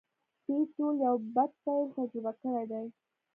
دوی ټولو یو بد پیل تجربه کړی دی